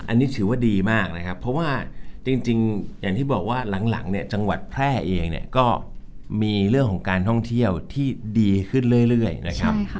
อันนี้ถือว่าดีมากนะครับเพราะว่าจริงอย่างที่บอกว่าหลังเนี่ยจังหวัดแพร่เองเนี่ยก็มีเรื่องของการท่องเที่ยวที่ดีขึ้นเรื่อยนะครับ